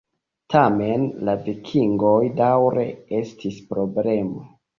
Tamen la vikingoj daŭre estis problemo.